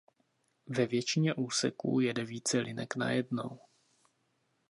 Ve většině úseků jede více linek najednou.